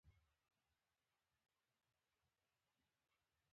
زه د نظام د اشرارو په لست کې زندان ته ولاړم.